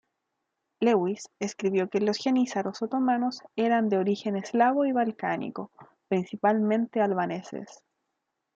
Lewis escribió que los "jenízaros otomanos eran de origen eslavo y balcánico, principalmente albaneses.